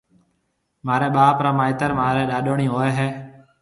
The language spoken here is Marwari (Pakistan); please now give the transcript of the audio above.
مهاريَ ٻاپ را مائيتر مهاريَ ڏاڏوڻِي هوئيَ هيَ۔